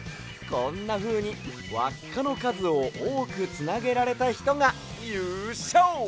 こんなふうにわっかのかずをおおくつなげられたひとがゆうＳＹＯ！